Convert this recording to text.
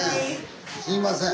すいません。